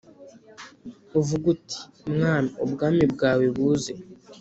uvuge uti "mwami ubwami bwawe buze",